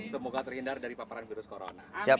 semoga terhindar dari paparan virus corona